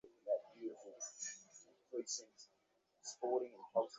আমরা রায় পাওয়ার, না সংবাদ পাওয়ার সঙ্গে সঙ্গে স্থগিত করে দিয়েছি।